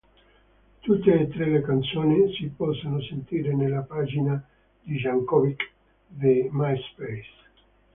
Tutte e tre le canzoni si possono sentire nella pagina di Yankovic di MySpace.